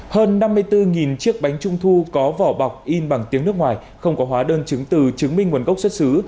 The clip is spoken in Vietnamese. hơn năm mươi bốn chiếc bánh trung thu có vỏ bọc in bằng tiếng nước ngoài không có hóa đơn chứng từ chứng minh nguồn gốc xuất xứ